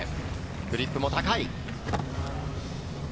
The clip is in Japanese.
フリップも高い。